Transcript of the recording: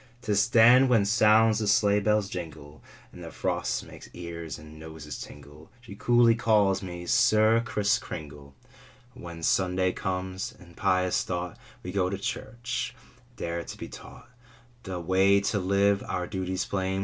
'Tis then when sounds the sleigh bell's jingle And the frost makes ears and noses tingle, She coolly calls me 'Sir Kriss Kringle.'" Copyrighted, 18U7 c^^aHEN Sunday comes, with pious thought We go to church, there to be taught The way to live, our duties plain.